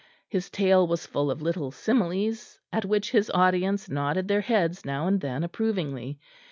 His tale was full of little similes, at which his audience nodded their heads now and then, approvingly.